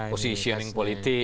posisi yang politik